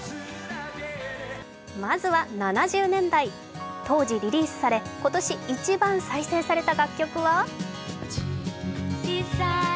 まずは７０年代、当時リリースされ今年一番再生された楽曲は？